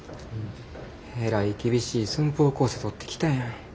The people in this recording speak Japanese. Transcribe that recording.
えらい厳しい寸法公差取ってきたやん。